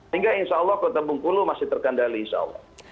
hingga insya allah kota bungkulu masih terkendali insya allah